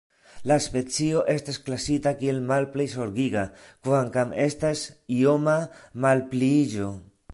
La specio estas klasita kiel Malplej zorgiga, kvankam estas ioma malpliiĝo.